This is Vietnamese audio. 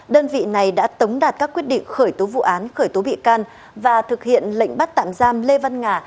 đơn vị này đã tống đạt các quyết định khởi tố vụ án khởi tố bị can và thực hiện lệnh bắt tạm giam lê văn nga